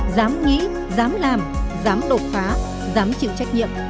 dám nghĩ dám làm dám đột phá dám chịu trách nhiệm